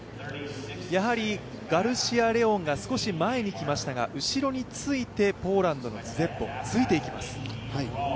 やはりガルシア・レオンが少し前に来ましたが後ろにポーランドのズジェブウォ、ついていきます。